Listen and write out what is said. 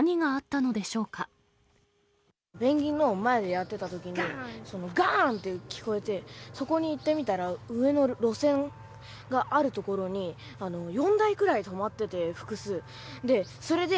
ペンギンの前でやってたときに、がーんって聞こえて、そこに行ってみたら上の路線がある所に、４台くらいとまってて、複数。